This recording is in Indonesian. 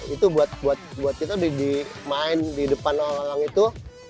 itu buat kita di main di depan orang orang itu